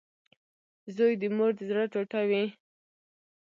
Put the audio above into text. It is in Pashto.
• زوی د مور د زړۀ ټوټه وي.